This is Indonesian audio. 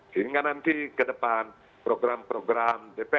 sehingga nanti ke depan program programnya itu akan berhasil